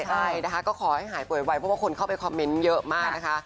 ใช่ขอให้หายป่วยไวเพราะคนเข้าไปคอมเมนท์เยอะมาก